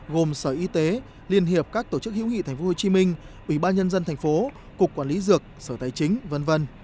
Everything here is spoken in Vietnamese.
gồm sở y tế liên hiệp các tổ chức hữu nghị tp hcm ủy ban nhân dân thành phố cục quản lý dược sở tài chính v v